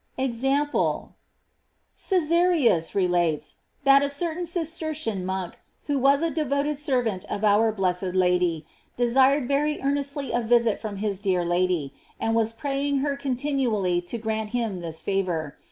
"* EXAMPLE. Oesarius relates, f that a certain Cistercian monk, who was a devoted servant of our bless ed Lady, desired very earnestly a visit from his dear Lady, and was praying her continually to grant him this favor.